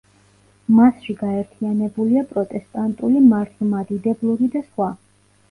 მასში გაერთიანებულია პროტესტანტული, მართლმადიდებლური და სხვა.